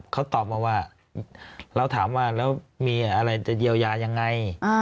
เขาตอบมาว่าเราถามว่าแล้วมีอะไรจะเยียวยายังไง